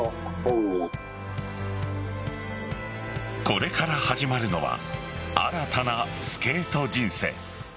これから始まるのは新たなスケート人生。